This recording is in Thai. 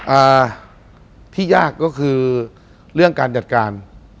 อ่าที่ยากก็คือเรื่องการจัดการ